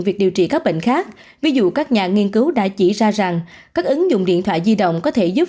bằng cách ví dụ các nhà nghiên cứu đã chỉ ra rằng các ứng dụng điện thoại di động có thể giúp